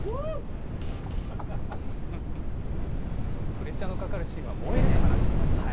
プレッシャーのかかるシーンは燃えると話していましたね。